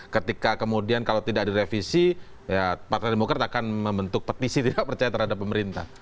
ketika kemudian kalau tidak direvisi ya partai demokrat akan membentuk petisi tidak percaya terhadap pemerintah